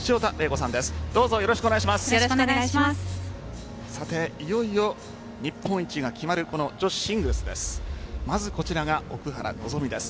さて、いよいよ日本一が決まる女子シングルスです。